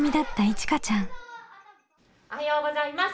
おはようございます。